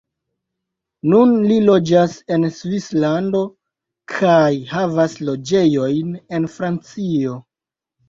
Nun li loĝas en Svislando kaj havas loĝejojn en Francio.